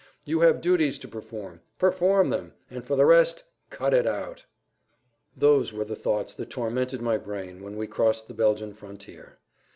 You have duties to perform, perform them, and for the rest—cut it out! [Pg 6]Those were the thoughts that tormented my brain when crossing the Belgian frontier.